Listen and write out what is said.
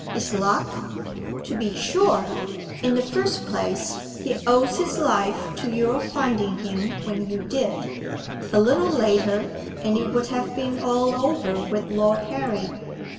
"His luck?" "To be sure! In the first place, he owes his life to your finding him when you did; a little later, and it would have been all over with Lord Harry.